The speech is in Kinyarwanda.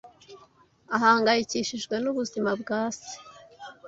Ahangayikishijwe n'ubuzima bwa se.